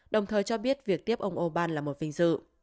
đồng thời cho biết việc tiếp ông orbán là một vinh dự